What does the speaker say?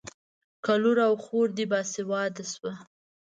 که لور او خور دې باسواده شوه.